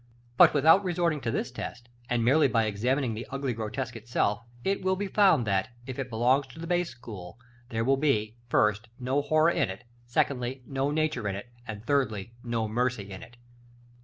But, without resorting to this test, and merely by examining the ugly grotesque itself, it will be found that, if it belongs to the base school, there will be, first, no Horror in it; secondly, no Nature in it; and, thirdly, no Mercy in it.